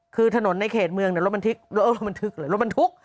คือถนนในเขตเมืองรถบรรทุก